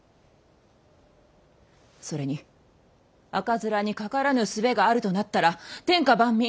それに赤面にかからぬ術があるとなったら天下万民